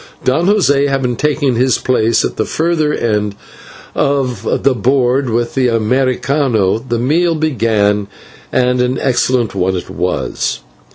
Don José having taken his place at the further end of the board with the /Americano/, the meal began, and an excellent one it was.